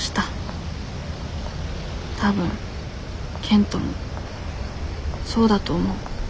多分賢人もそうだと思う。